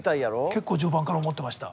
結構序盤から思ってました。